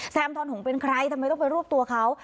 ทอนหงเป็นใครทำไมต้องไปรวบตัวเขา